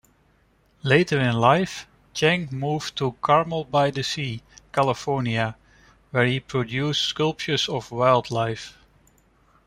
Later in life, Chang moved to Carmel-by-the-Sea, California, where he produced sculptures of wildlife.